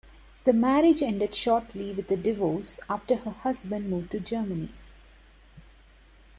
The marriage ended shortly with a divorce after her husband moved to Germany.